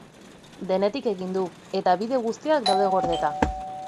Denetik egin du, eta bideo guztiak daude gordeta.